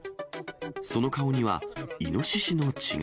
その顔には、イノシシの血が。